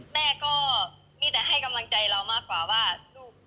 แม่ก็นะครับให้กำลังใจแล้วแบบ